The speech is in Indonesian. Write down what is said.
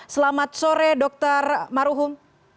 selamat sore dr maruhum